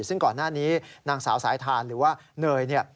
ซึ่งก่อนหน้านี้นางสาวสายทานหรือว่าเนยเนี่ย